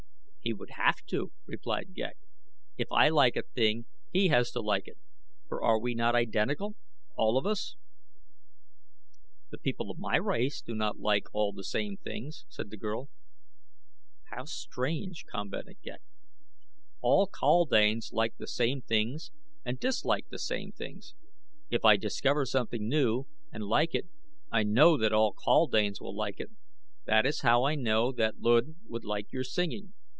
"He would have to," replied Ghek. "If I like a thing he has to like it, for are we not identical all of us?" "The people of my race do not all like the same things," said the girl. "How strange!" commented Ghek. "All kaldanes like the same things and dislike the same things. If I discover something new and like it I know that all kaldanes will like it. That is how I know that Luud would like your singing.